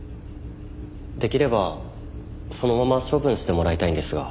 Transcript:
できればそのまま処分してもらいたいんですが。